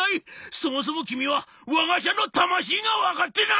そもそも君はわが社の魂が分かってない！」。